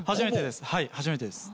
初めてです。